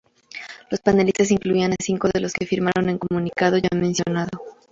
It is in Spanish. Los panelistas incluían a cinco de los que firmaron en comunicado ya mencionado.